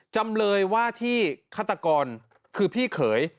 จำเลยว่าที่ฆาตกรคือพี่เขย